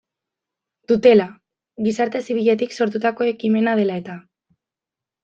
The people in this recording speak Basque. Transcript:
Dutela, gizarte zibiletik sortutako ekimena dela eta.